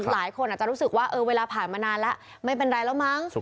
หลายคนอาจจะรู้สึกว่าเวลาผ่านมานานแล้วไม่เป็นไรแล้วมั้ง